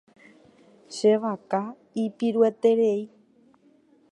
Che vaka ipirueterei.